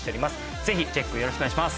ぜひチェックよろしくお願いします。